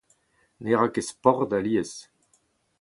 Ne ra ket sport alies.